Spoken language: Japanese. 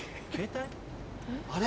あれ？